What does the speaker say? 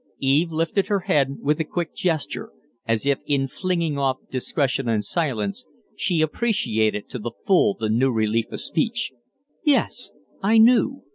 Eve lifted her head with a quick gesture as if, in flinging off discretion and silence, she appreciated to the full the new relief of speech. "Yes, I knew.